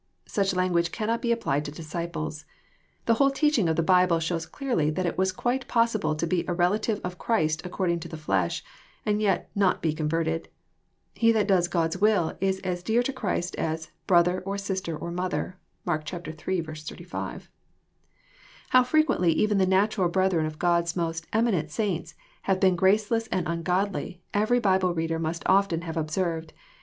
Such language cannot be applied to disciples. The whole teaching of the Bible shows clearly that it was quite possible to be a relative of Christ according to the flesh and yet not be converted. He that does God's will is as dear to Christ as '* brother, or sister, or mother.'* (Mark iii. 86.) How firequently even the natural brethren of God's most emi nent saints have been graceless and ungodly, every Bible reader must often have observed.